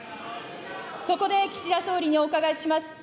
そこで岸田総理にお伺いします。